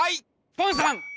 ポンさん！